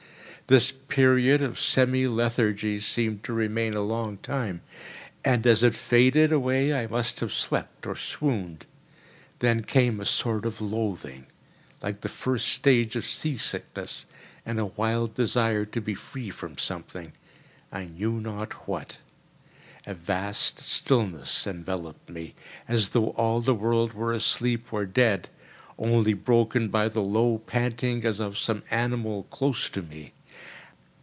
This period of semi lethargy seemed to remain a long time, and as it faded away I must have slept or swooned. Then came a sort of loathing, like the first stage of sea sickness, and a wild desire to be free from something—I knew not what. A vast stillness enveloped me, as though all the world were asleep or dead—only broken by the low panting as of some animal close to me.